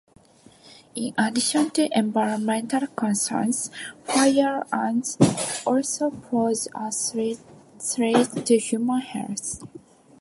In addition to environmental concerns, fire ants also pose a threat to human health.